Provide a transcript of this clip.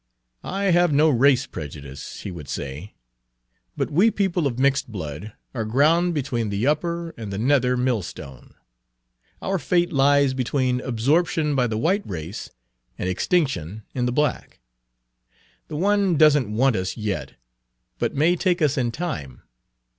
"I have no race prejudice," he would say, "but we people of mixed blood are ground between the upper and the nether millstone. Our fate lies between absorption by the white race and extinction in the black. The one does n't want us yet, but may take us in time.